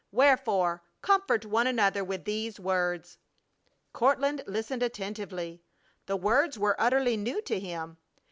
Wherefore comfort one another with these words." Courtland listened attentively. The words were utterly new to him.